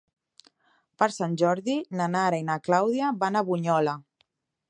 Per Sant Jordi na Nara i na Clàudia van a Bunyola.